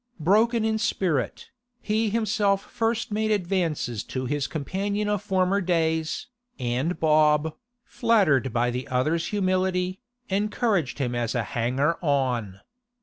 Broken in spirit, he himself first made advances to his companion of former days, and Bob, flattered by the other's humility, encouraged him as a hanger on.